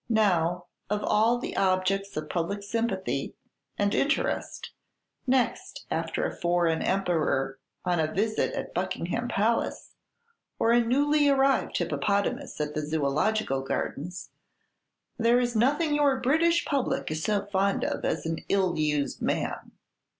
Now, of all the objects of public sympathy and interest, next after a foreign emperor on a visit at Buckingham Palace, or a newly arrived hippopotamus at the Zoological Gardens, there is nothing your British public is so fond of as "an ill used man."